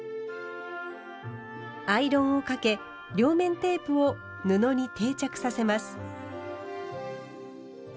アイロンをかけ両面テープを布に定着させます。